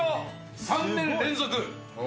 ３年連続。